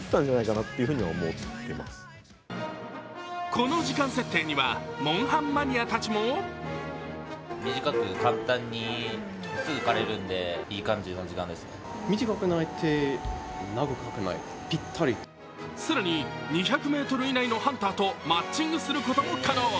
この時間設定には「モンハン」マニアたちも更に、２００ｍ以内のハンターとマッチングすることも可能。